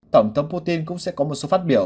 tổng thống putin cũng sẽ có một số phát biểu